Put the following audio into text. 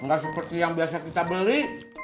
nggak seperti yang biasa kita beli